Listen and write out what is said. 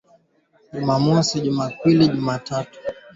kupitia vipindi vya Barazani na Swali la Leo Maswali na Majibu na Salamu Zenu